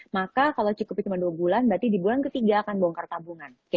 maka kalau cukup cuma dua bulan berarti di bulan ketiga akan bongkar tabungan